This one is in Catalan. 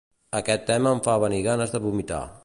Aquest tema em fa venir ganes de vomitar.